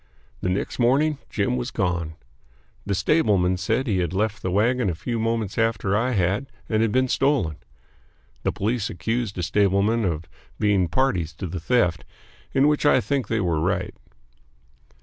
The next morning Jim was gone. The stableman said he had left the wagon a few moments after I had and had been stolen. The police accused the stablemen of being parties to the theft, in which I think they were right.